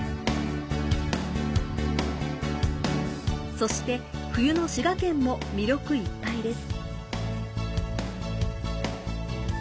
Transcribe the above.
そして、冬の滋賀県も魅力いっぱいです。